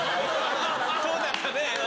そうだったね。